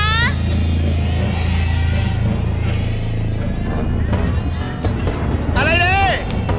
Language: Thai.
อะไรดี